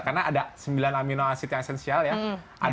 karena ada sembilan amino asid yang esensial ya